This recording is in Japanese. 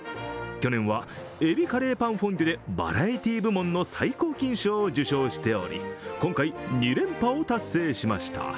去年は海老カレーパンフォンデュでバラエティ部門の最高金賞を受賞しており、今回、２連覇を達成しました。